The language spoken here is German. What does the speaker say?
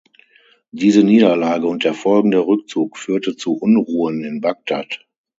Diese Niederlage und der folgende Rückzug führte zu Unruhen in Bagdad.